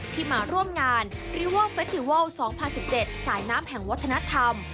ที่มาร่วมงานหรือว่าเฟสติวัล๒๐๑๗สายน้ำแห่งวัฒนธรรม